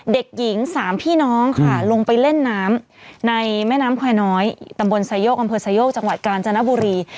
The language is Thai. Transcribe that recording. เด็กหญิงสามพี่น้องค่ะลงไปเล่นน้ำในแม่น้ำแควร์น้อยตำบลไซโยกอำเภอไซโยกจังหวัดกาญจนบุรี